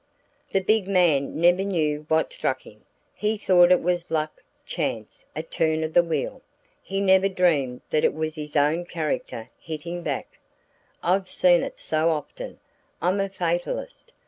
The big man never knew what struck him. He thought it was luck, chance, a turn of the wheel. He never dreamed that it was his own character hitting back. I've seen it so often, I'm a fatalist.